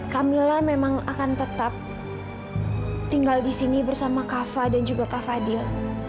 kamilah memang akan tetap tinggal disini bersama kafa dan juga kak fadil